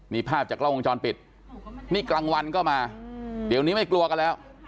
นี่ภาพจากกล้องวงจรปิดนี่กลางวันก็มาเดี๋ยวนี้ไม่กลัวกันแล้ว